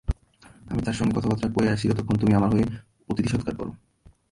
আমি তাঁর সঙ্গে কথাবার্তা কয়ে আসি, ততক্ষণ তুমি আমার হয়ে অতিথিসৎকার করো।